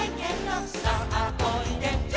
「さあおいで」